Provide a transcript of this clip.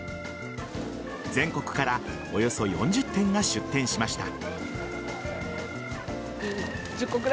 全国からおよそ４０店が出店しました。